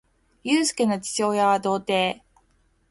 ゆうすけの父親は童貞